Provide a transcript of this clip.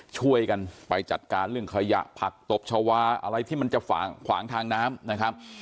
ช่วยกันไปจัดการเรื่องขยะผักตบชาวาอะไรที่มันจะขวางทางน้ำนะครับ